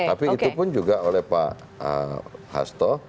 tapi itu pun juga oleh pak hasto